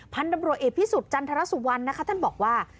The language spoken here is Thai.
พันธบริเวศพิสุทธิ์จันทรสวรรค์นะคะท่านบอกว่า